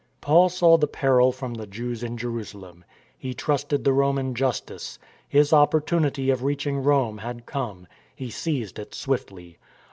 Paul saw the peril from the Jews in Jerusalem. He trusted the Roman justice. His opportunity of reach ing Rome had come. He seized it swiftly.